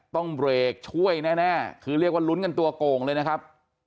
ต้องเบรกช่วยแน่คือเรียกว่าลุ้นกันตัวโก่งเลยนะครับ